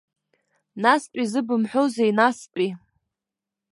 Настәи зыбымҳәозеи, настәи?